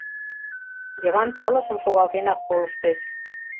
Йыван пылышым шогалтенак колыштеш.